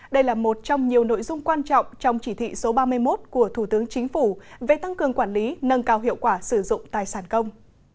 đây là một trong nhiều nội dung quan trọng trong chỉ thị số ba mươi một của thủ tướng chính phủ về tăng cường quản lý nâng cao hiệu quả sử dụng tài sản công